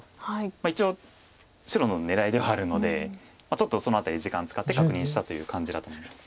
一応白の狙いではあるのでちょっとその辺り時間使って確認したという感じだと思うんです。